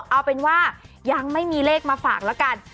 เอาเป็นว่ายังไม่มีเลขมาฝากแล้วกัน